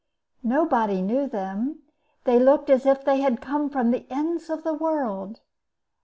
Nobody knew them; they looked as if they had come from the ends of the world.